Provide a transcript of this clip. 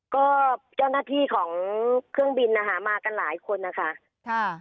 ก็เจ้าหน้าที่ของเครื่องบินนะคะมากันหลายคนนะคะค่ะ